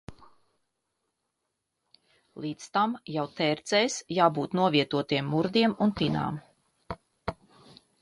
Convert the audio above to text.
Līdz tam jau tērcēs jābūt novietotiem murdiem un tinām.